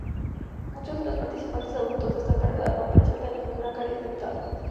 Muchos de los pacientes adultos de esta enfermedad no presentan ninguna caries dental.